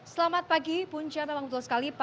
selamat pagi punca memang betul sekali